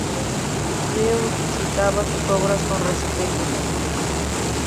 Freud citaba sus obras con respeto.